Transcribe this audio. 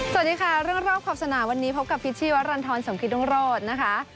สวัสดีค่ะเรื่องรอบขอบสนามวันนี้พบกับพิษชีวรรณฑรสมกิตรุงโรธนะคะ